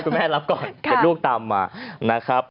คุณแม่รับก่อนลูกตามมานะครับ